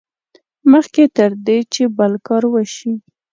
مخکې تر دې چې بل کار وشي.